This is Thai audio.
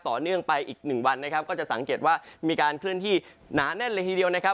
ต่อเนื่องไปอีกหนึ่งวันนะครับก็จะสังเกตว่ามีการเคลื่อนที่หนาแน่นเลยทีเดียวนะครับ